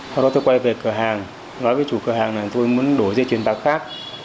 sau đó tôi quay về cửa hàng nói với chủ cửa hàng là tôi muốn đổi dây truyền bạc khác